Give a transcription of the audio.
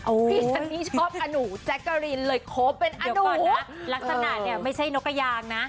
เลยครบเป็นอันนู่ก่อนนะลักษณะเนี่ยไม่ใช่นกยางนะ